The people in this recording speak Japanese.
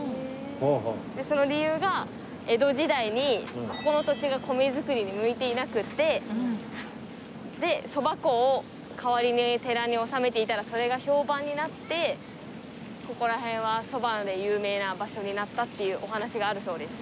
その理由が江戸時代にここの土地が米作りに向いていなくてでそば粉を代わりに寺に納めていたらそれが評判になってここら辺はそばで有名な場所になったっていうお話があるそうです。